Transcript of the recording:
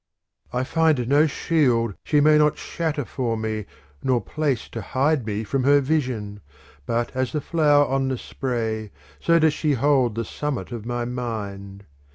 II I find no shield she may not shatter for me nor place to hide me from her vision ; but as the flower on the spray so does she hold the summit of my mind.